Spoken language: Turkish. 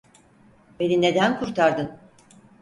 Beni neden kurtardın?